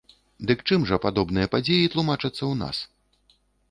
Дык чым жа ж падобныя падзеі тлумачацца ў нас?